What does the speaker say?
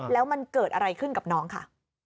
แล้วมันเกิดอะไรขึ้นกับน้องค่ะ